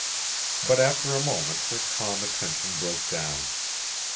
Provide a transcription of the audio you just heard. But after a moment her calm attention broke down.